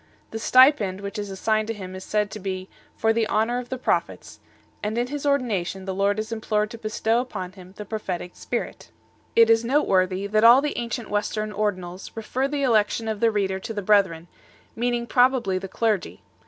The stipend which is assigned to him is said to be "for the honour of the prophets V and in his ordination the Lord is implored to bestow upon him the prophetic spirit 3 . It is noteworthy, that all the ancient Western ordinals refer the election of the reader to the brethren, meaning probably the clergy 4